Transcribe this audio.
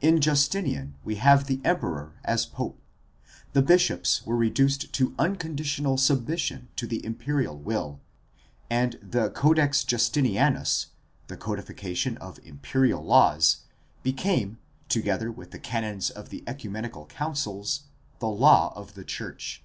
In Justinian we have the emperor as pope. The bishops were reduced to unconditional submission to the imperial will, and the Codex Jiistinianus, the codification of imperial laws, became, together with the canons of the ecumenical councils, the law of the church.